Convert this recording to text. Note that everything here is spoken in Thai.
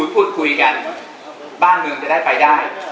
พูดคุยกันบ้านเมืองจะได้ไปได้